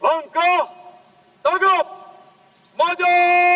langkah tanggap maju